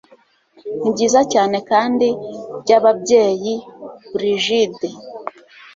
nibyiza cyane kandi byababyeyi brigid